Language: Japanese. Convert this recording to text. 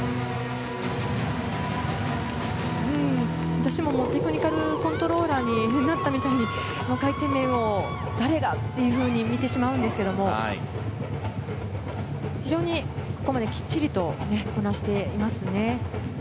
私もテクニカルコントローラーになったみたいに回転面を誰がというふうに見てしまうんですが非常に、ここまできっちりとこなしていますね。